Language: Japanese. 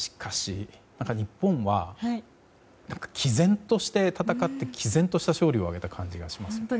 また日本は毅然として戦って毅然とした勝利を挙げた感じがします。